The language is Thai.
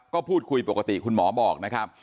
ก็พูดคุยปกติคุณหมอบอกนะครับ